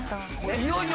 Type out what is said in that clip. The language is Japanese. いよいよ。